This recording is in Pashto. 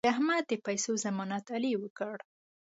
د احمد د پیسو ضمانت علي وکړ.